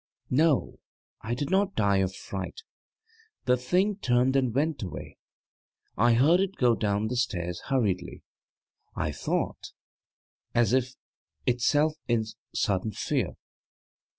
< 8 > No, I did not die of fright: the Thing turned and went away. I heard it go down the stairs, hurriedly, I thought, as if itself in sudden fear.